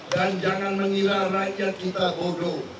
dan jangan mengira rakyat kita bodoh